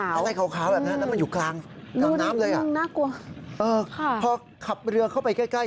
อะไรขาวแบบนั้นมันอยู่กลางน้ำเลยอ่ะพอขับเรือเข้าไปใกล้